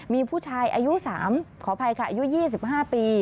มีผู้ชายอายุ๓ขออภัยค่ะอายุ๒๕ปี